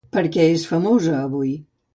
Per què és famosa avui dia?